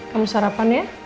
kamu sarapan ya